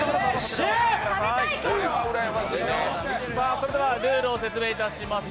それでは、ルールを説明させていただきます。